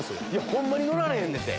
ホンマに乗られへんねんて。